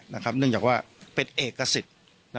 เนื่องจากว่าเป็นเอกสิทธิ์